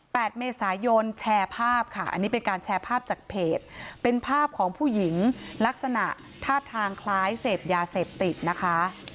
เมษายนแชร์ภาพค่ะอันนี้เป็นการแชร์ภาพจากเพจเป็นภาพของผู้หญิงลักษณะท่าทางคล้ายเสพยาเสพติดนะคะ